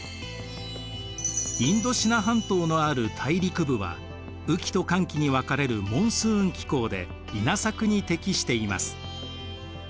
インドシナ半島のある大陸部は雨期と乾期に分かれるモンスーン気候で稲作に適しています。